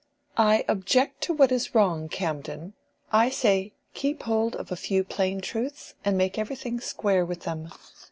"I object to what is wrong, Camden. I say, keep hold of a few plain truths, and make everything square with them.